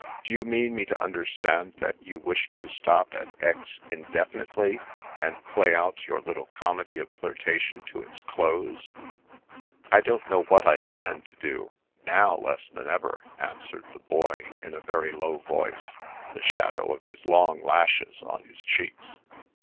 Do you mean me to understand that you wish to stop at Aix, indefinitely, and play out your little comedy of flirtation to its close ?"" I don't know what I intend to do ; now, less than ever," answered the Boy in a very low voice, the shadow of his long lashes on his cheeks.